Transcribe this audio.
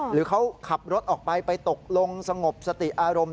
หรือเขาขับรถออกไปไปตกลงสงบสติอารมณ์